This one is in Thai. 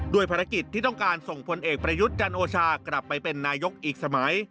ภารกิจที่ต้องการส่งผลเอกประยุทธ์จันโอชากลับไปเป็นนายกอีกสมัย